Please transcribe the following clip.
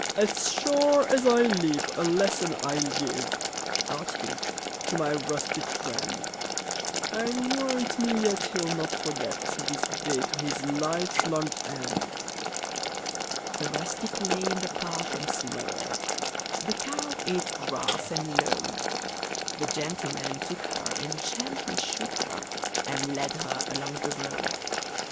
"As sure as I live, a lesson I'll give," Thought he, "to my rustic friend. I'll warrant me yet he'll not forget This day to his life's long end." The rustic lay in the path and snored; The cow ate grass and lowed; The gentleman took her and gently shook her, And led her along the road.